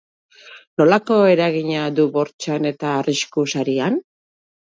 Nolako eragina du burtsan eta arrisku sarian?